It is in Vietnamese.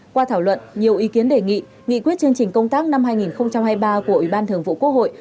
qua thảo luận nhiều ý kiến đề nghị nghị quyết chương trình công tác năm hai nghìn hai mươi ba của ủy ban thường vụ quốc hội